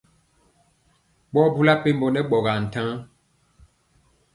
Ɓɔ bula mpembɔ nɛ ɓɔgaa ntaŋ.